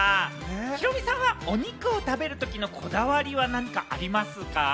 ヒロミさんは、お肉を食べるときのこだわりは何かありますか？